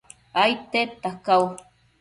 aidta cau